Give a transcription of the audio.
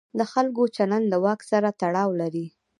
د خلکو چلند له واک سره تړاو لري.